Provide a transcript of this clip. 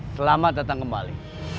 selamat datang kembali